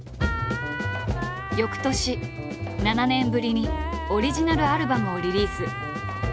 翌年７年ぶりにオリジナルアルバムをリリース。